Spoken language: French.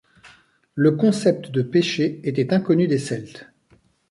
Le concept de péché était inconnu des Celtes.